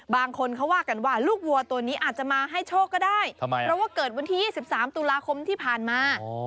บางคนเขาว่ากันว่าลูกวัวตัวนี้อาจจะมาให้โชคก็ได้เพราะว่าเกิดวันที่๒๓ตุลาคมที่ผ่านมา